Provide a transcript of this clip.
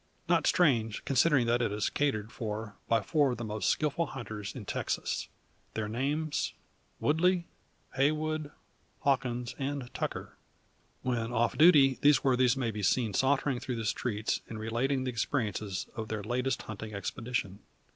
Not strange, considering that it is catered for by four of the most skilful hunters in Texas; their names, Woodley, Heywood, Hawkins, and Tucker. When off duty these worthies may be seen sauntering through the streets, and relating the experiences of their latest hunting expedition.